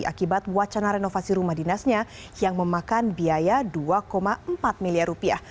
akibat wacana renovasi rumah dinasnya yang memakan biaya dua empat miliar rupiah